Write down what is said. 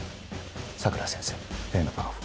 佐倉先生例のパンフを。